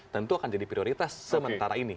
tentu akan jadi prioritas sementara ini